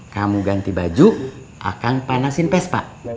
kamu ganti baju akan panasin pes pak